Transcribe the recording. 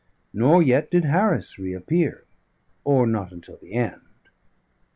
Nor yet did Harris reappear; or not until the end.